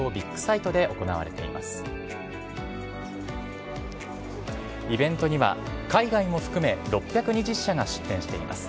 イベントには、海外も含め６２０社が出展しています。